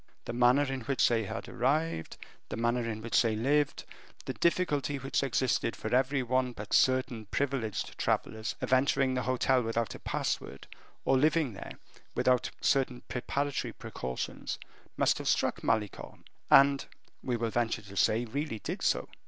The manner in which they had arrived, the manner in which they had lived, the difficulty which existed for every one but certain privileged travelers, of entering the hotel without a password, or living there without certain preparatory precautions, must have struck Malicorne; and, we will venture to say, really did so.